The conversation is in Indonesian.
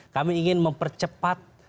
kami ingin mempercepat